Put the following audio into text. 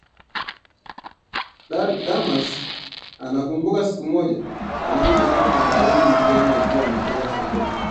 Damaris anakumbuka siku moja alipokutana na Daudi njiani akiwa anatoka sokoni